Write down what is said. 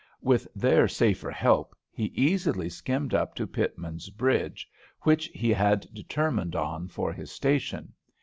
With their safer help he easily skimmed up to Pitman's bridge, which he had determined on for his station.